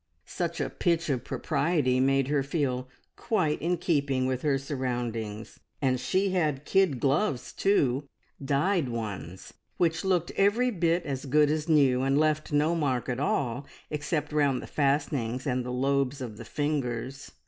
Such a pitch of propriety made her feel quite in keeping with her surroundings, and she had kid gloves too dyed ones which looked every bit as good as new, and left no mark at all except round the fastenings, and the lobes of the fingers.